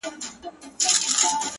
• خان پر آس باند پښه واړول تیار سو ,